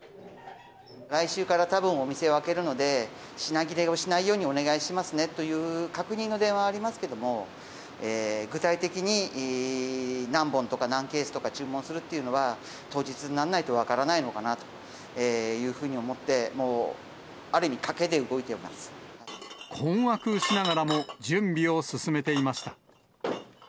来週からたぶん、お店を開けるので、品切れをしないようにお願いしますねという確認の電話はありますけれども、具体的に何本とか、何ケースとか注文するっていうのは、当日にならないと分からないのかなというふうに思って、もうある意味、困惑しながらも、準備を進めていました。